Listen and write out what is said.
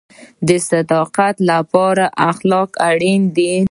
د صداقت لپاره اخلاق اړین دي